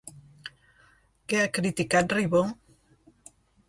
Què ha criticat Ribó?